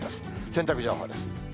洗濯情報です。